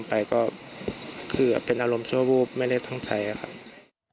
เป็นอารมณ์ชั่ววูภไม่ได้ตั้งใจครับ